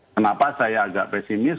kenapa saya agak pesimis